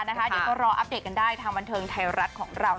เดี๋ยวก็รออัปเดตกันได้ทางบันเทิงไทยรัฐของเรา